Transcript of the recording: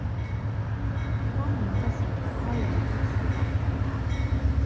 當然不是在開會的時候除鞋